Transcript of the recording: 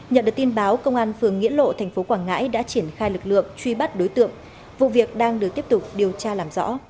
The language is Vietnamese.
nhận được tin báo công an phường nghĩa lộ tp quảng ngãi đã triển khai lực lượng truy bắt đối tượng vụ việc đang được tiếp tục điều tra làm rõ